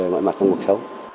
mọi mặt trong cuộc sống